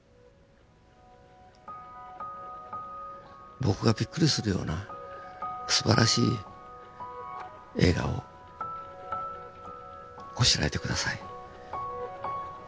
僕がびっくりするようなすばらしい映画をこしらえて下さい。